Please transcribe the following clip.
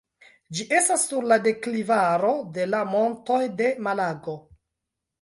Ĝi estas sur la deklivaro de la Montoj de Malago.